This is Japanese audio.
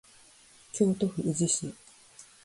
京都府宇治市